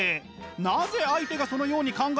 なぜ相手がそのように考えるのか